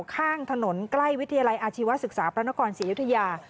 ข้างถนนใกล้วิทยาลัยอาชีวศึกษาพระนครศรีอยุธยา